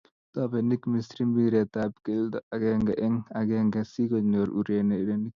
Tobenik Misri mpiret ab kelto akenge eng akenge si konyoruu urerenik.